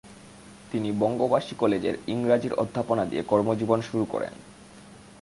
তিনি বঙ্গবাসী কলেজের ইংরাজীর অধ্যাপনা দিয়ে কর্মজীবন শুরু করেন।